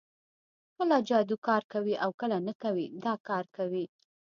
کله جادو کار کوي او کله نه کوي دا کار کوي